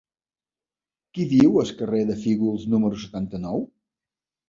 Qui viu al carrer de Fígols número setanta-nou?